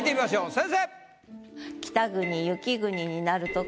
先生！